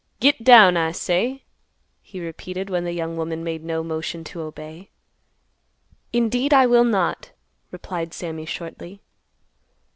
"Git down, I say," he repeated, when the young woman made no motion to obey. "Indeed, I will not," replied Sammy shortly.